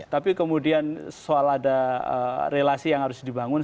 tapi kemudian soal ada relasi yang harus dibangun